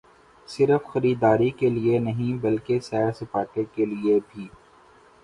صرف خریداری کیلئے نہیں بلکہ سیر سپاٹے کیلئے بھی۔